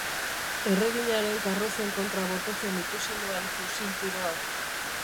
Erreginaren karrozen kontra botatzen ikusi nuen fusil tiroa.